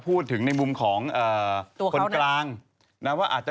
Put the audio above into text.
พี่โหนงคือก็ถามมาเยอะ